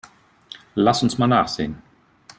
Lass uns mal nachsehen.